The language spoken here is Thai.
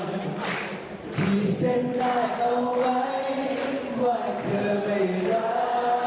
ที่เส้นตายเอาไว้ว่าเธอไม่รัก